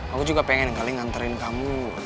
aku juga pengen sekali nganterin kamu